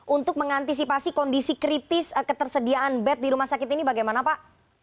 untuk mengantisipasi kondisi kritis ketersediaan bed di rumah sakit ini bagaimana pak